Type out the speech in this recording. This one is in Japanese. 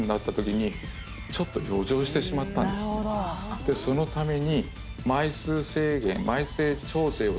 でそのために。